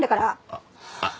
あっあっ